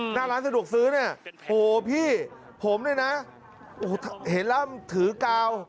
หน้าร้านสะดวกซื้อเนี่ยโหพี่ผมเนี่ยนะโอ้โหเห็นแล้วถือกาว